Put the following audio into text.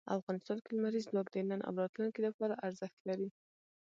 افغانستان کې لمریز ځواک د نن او راتلونکي لپاره ارزښت لري.